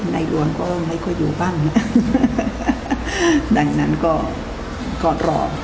ในรวมก็อยู่บ้างแล้วดังนั้นต้องก่อนรอ